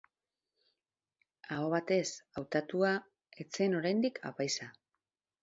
Aho batez hautatua, ez zen oraindik apaiza.